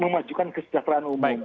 memajukan kesejahteraan umum